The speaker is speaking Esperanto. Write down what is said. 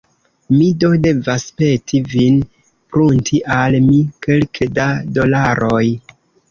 Mi do devas peti vin prunti al mi kelke da dolaroj.